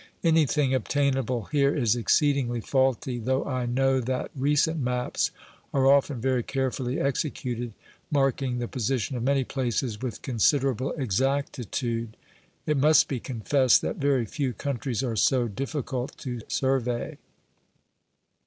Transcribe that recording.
Anything obtainable here is exceedingly faulty, though I know that recent maps are often very carefully executed, marking the position of many places with con siderable exactitude. It must be confessed that very few countries are so difficult to survey.